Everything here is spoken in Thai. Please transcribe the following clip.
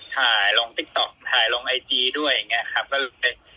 ถ่ายลงติ๊กต๊อกถ่ายลงไอจีด้วยอย่างเงี้ยครับก็เลย